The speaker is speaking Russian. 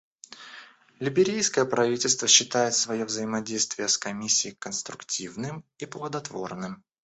Либерийское правительство считает свое взаимодействие с Комиссией конструктивным и плодотворным.